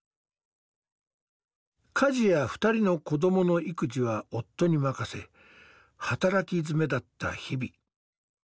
家事や２人の子どもの育児は夫に任せ働きづめだった日々。